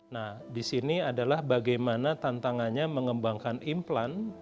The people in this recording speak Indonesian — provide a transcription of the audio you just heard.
nah di sini adalah bagaimana tantangannya mengembangkan implan